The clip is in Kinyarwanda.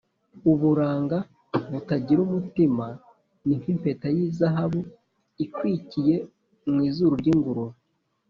Uburanga butagira umutima ,ni nk’impeta y’izahabu ikwikiye mu izuru ry’ingurube